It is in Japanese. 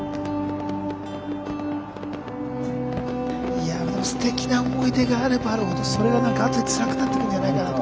いやもうすてきな思い出があればあるほどそれが何か後でつらくなってくんじゃないかなと。